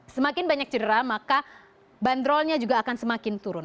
semakin banyak cedera maka bandrolnya juga akan semakin turun